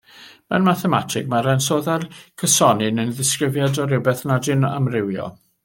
Mewn mathemateg, mae'r ansoddair cysonyn yn ddisgrifiad o rywbeth nad yw'n amrywio.